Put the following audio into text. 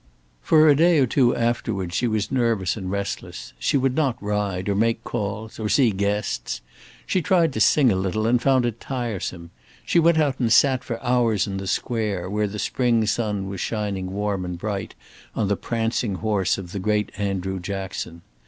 For a day or two afterwards she was nervous and restless. She would not ride, or make calls, or see guests. She tried to sing a little, and found it tiresome. She went out and sat for hours in the Square, where the spring sun was shining warm and bright on the prancing horse of the great Andrew Jackson.